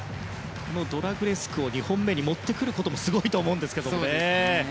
ドラグレスクを２本目に持ってくることもすごいと思うんですけれどもね。